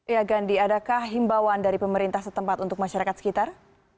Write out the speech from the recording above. ya gandhi adakah himbauan dari pemerintah setempat untuk masyarakat sekitar